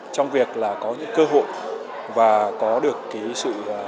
trong việc là có những cơ hội và có được cái sự